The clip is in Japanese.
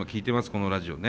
このラジオね。